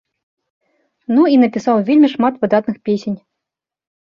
Ну і напісаў вельмі шмат выдатных песень.